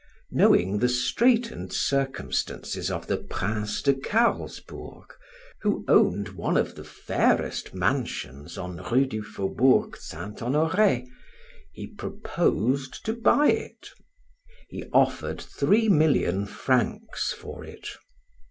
Knowing the straitened circumstances of the Prince de Carlsbourg who owned one of the fairest mansions on Rue du Faubourg Saint Honore, he proposed to buy it. He offered three million francs for it.